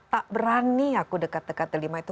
tak berani aku dekat dekat lima itu